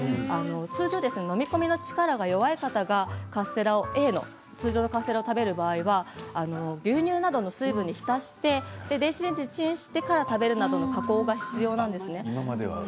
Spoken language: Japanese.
通常、飲み込みの力が弱い方が通常のカステラを食べる場合は牛乳などの水分に浸して電子レンジでチンをしてから食べるなどの加工が必要なんです。